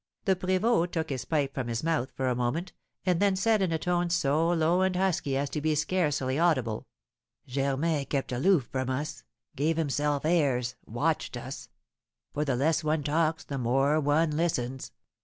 The prévôt took his pipe from his mouth for a moment, and then said, in a tone so low and husky as to be scarcely audible: "Germain kept aloof from us, gave himself airs, watched us, for the less one talks the more one listens.